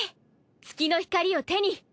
月の光を手に！